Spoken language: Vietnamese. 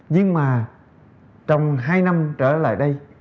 nhưng mà trong hai năm trở lại đây